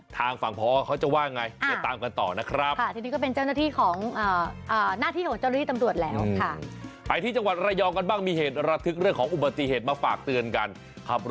ทางฝั่งพอเขาจะว่าไงเดี๋ยวตามกันต่อนะครับ